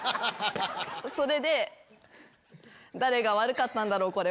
それで誰が悪かったんだろう？